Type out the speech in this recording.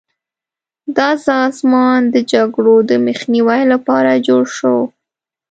دا سازمان د جګړو د مخنیوي لپاره جوړ شو.